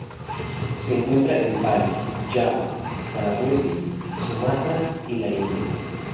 Se encuentra en Bali, Java, Sulawesi, Sumatra y la India.